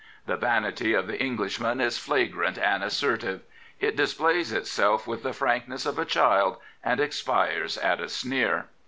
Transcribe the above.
The vanity of the Englishman is flagrant and assertive. It displays itself with the frankness of a child, and expires at a sneer.